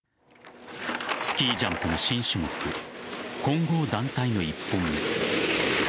スキージャンプの新種目混合団体の１本目。